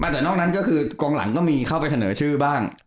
แต่นอกนั้นก็คือกองหลังก็มีเข้าไปเสนอชื่อบ้าง